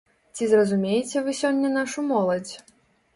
Ці зразумееце вы сёння нашу моладзь?